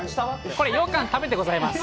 これ、ようかん食べてございます。